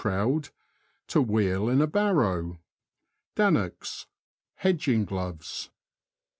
— To wheel in a barrow. Dannocks. — Hedging gloves.